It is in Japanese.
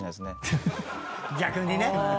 逆にね！